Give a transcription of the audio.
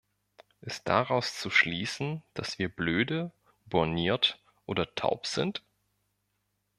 Ist daraus zu schließen, dass wir blöde, borniert oder taub sind?